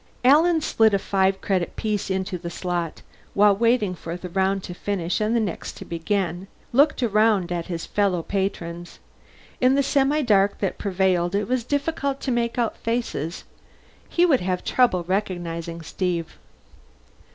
Alan slid a five credit piece into the slot and, while waiting for the round to finish and the next to begin, looked around at his fellow patrons. In the semi dark that prevailed it was difficult to make out faces. He would have trouble recognizing Steve.